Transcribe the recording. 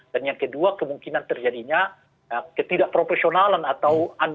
dan yang kedua kemungkinan terjadinya ketidakprofesionalan atau